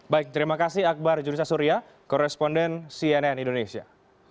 baik terima kasih akbar juri sasuria koresponden cnn indonesia